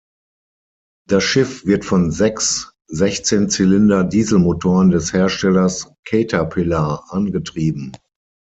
Das Schiff wird von sechs Sechzehnzylinder-Dieselmotoren des Herstellers Caterpillar angetrieben.